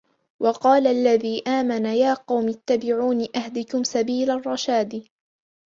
وَقَالَ الَّذِي آمَنَ يَا قَوْمِ اتَّبِعُونِ أَهْدِكُمْ سَبِيلَ الرَّشَادِ